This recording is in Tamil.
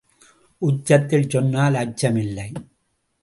உச்சத்தில் சொன்னால் அச்சம் இல்லை.